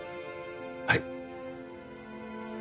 はい。